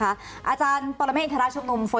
คุณผู้ชมค่ะเวลาน้อยนะคะเผื่ออาจจะต้องต่อพรุ่งนี้นะคะ